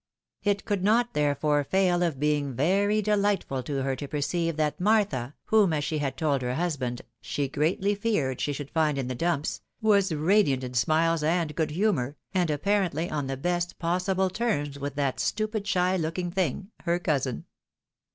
It could not, therefore, fail of being very delightful to her to perceive that Martha, whom, as she had told her husband, " she greatly feared she should find in the dumps," was radiant in smUes and good humour, and apparently on the best possible terms with that "stupid shy looking thing," her cousin.